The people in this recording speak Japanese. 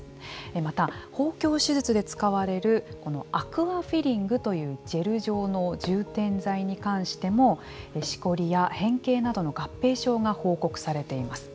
また豊胸手術で使われるこのアクアフィリングというジェル状の充填剤に関してもしこりや変形などの合併症が報告されています。